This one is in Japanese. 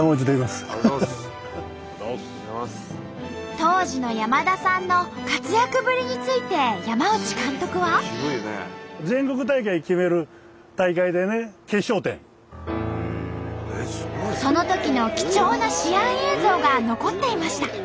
当時の山田さんの活躍ぶりについて山内監督は。そのときの貴重な試合映像が残っていました。